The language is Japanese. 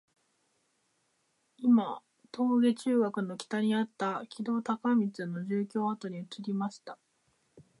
いまの銅駝中学の北にあった木戸孝允の住居跡に移りました